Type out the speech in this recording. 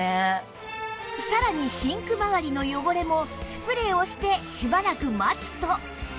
さらにシンク周りの汚れもスプレーをしてしばらく待つと